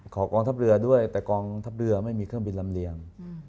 กองทัพเรือด้วยแต่กองทัพเรือไม่มีเครื่องบินลำเลียง